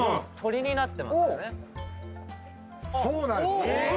そうなんです。